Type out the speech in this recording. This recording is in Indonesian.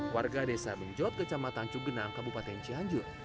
warga desa menjot kecamatan cugenang kabupaten cianjur